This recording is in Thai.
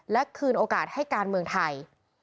และคืนโอกาสให้การเมืองไทย